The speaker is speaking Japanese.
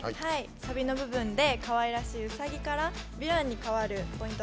サビ前にかわいらしいウサギからヴィランに変わるポイント